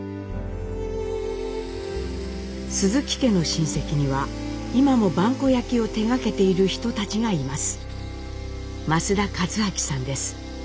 鈴木家の親戚には今も萬古焼を手がけている人たちがいます。